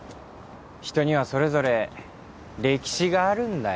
人にはそれぞれ歴史があるんだよ。